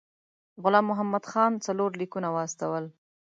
غلام محمد خان څلور لیکونه واستول.